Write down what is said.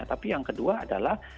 tapi yang kedua adalah